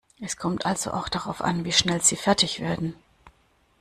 Es kommt also auch darauf an, wie schnell Sie fertig werden.